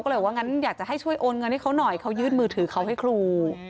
ก็เลยว่าอยากให้ช่วยโอนเงินเค้าน้อยเค้ายืดมือถือเค้าให้ครู